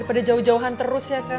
udah jauh jauhan terus ya kan